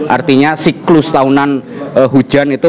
artinya siklus tahunan hujan itu